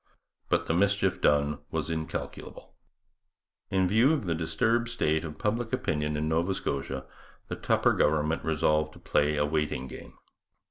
But the mischief done was incalculable. In view of the disturbed state of public opinion in Nova Scotia the Tupper government resolved to play a waiting game.